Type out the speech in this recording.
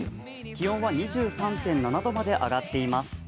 気温は２３．７度まで上がっています。